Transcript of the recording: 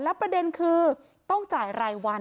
ประเด็นคือต้องจ่ายรายวัน